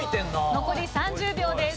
残り３０秒です。